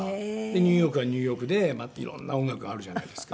ニューヨークはニューヨークでまたいろんな音楽があるじゃないですか。